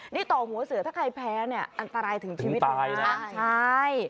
นี่ต่อหัวเสือถ้าใครแพ้เนี่ยอันตรายถึงชีวิตเลยนะใช่